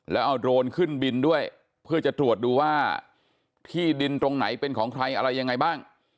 แล้วเอาโดรนขึ้นบินด้วยเพื่อจะตรวจดูว่าที่ดินตรงไหนเป็นของใครอะไรยังไงบ้าง